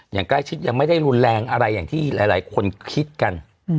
อย่างใกล้ชิดยังไม่ได้รุนแรงอะไรอย่างที่หลายคนคิดกัน